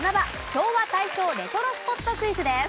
昭和・大正レトロスポットクイズです。